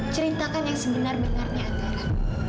ceritakan yang sebenar benarnya antara